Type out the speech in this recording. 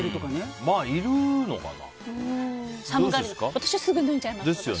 私はすぐ脱いじゃいます。